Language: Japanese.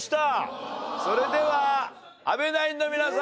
それでは阿部ナインの皆さん